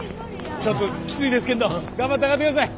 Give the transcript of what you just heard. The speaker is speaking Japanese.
ちょっときついですけんど頑張って上がってください。